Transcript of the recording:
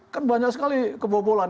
kan banyak sekali kebobolan